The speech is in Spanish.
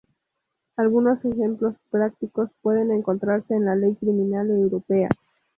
Algunos ejemplos prácticos pueden encontrarse en la ley criminal europea.